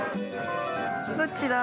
どっちだ。